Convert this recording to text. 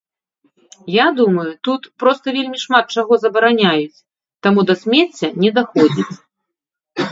Я думаю, тут проста вельмі шмат чаго забараняюць, таму да смецця не даходзіць.